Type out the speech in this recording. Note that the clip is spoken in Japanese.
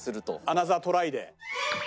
アナザートライで。